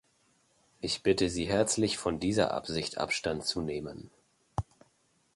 Ich bitte Sie herzlich, von dieser Absicht Abstand zu nehmen.